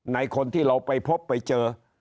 คนที่เราไปพบไปเจอ